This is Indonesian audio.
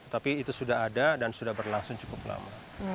tapi itu sudah ada dan sudah berlangsung cukup lama